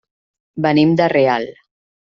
Venim de Real.